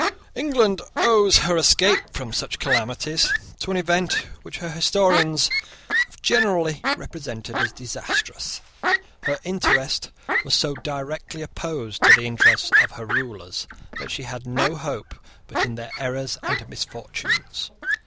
England owes her escape from such calamities to an event which her historians have generally represented as disastrous. Her interest was so directly opposed to the interests of her rulers that she had no hope but in their errors and misfortunes.